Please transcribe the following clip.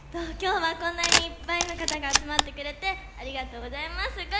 今日はこんなにいっぱいの方が集まってくれてありがとうございます